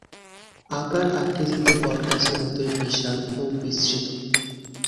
আকার-আকৃতিতে বট গাছের মতোই বিশাল ও বিস্তৃত।